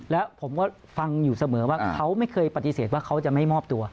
แล้วผมก็ฟังอยู่เสมอว่าเขาไม่เคยปฏิเสธว่าเขาจะไม่มอบตัว